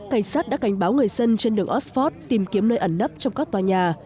cảnh sát đã cảnh báo người dân trên đường oxford tìm kiếm nơi ẩn nấp trong các tòa nhà